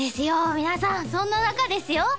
皆さんそんな中ですよ